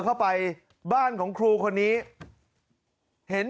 เมื่อกี้มันร้องพักเดียวเลย